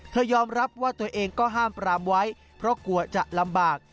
ยอมรับว่าตัวเองก็ห้ามปรามไว้เพราะกลัวจะลำบาก